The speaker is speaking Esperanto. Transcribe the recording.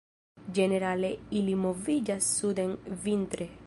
Ĝenerale ili moviĝas suden vintre.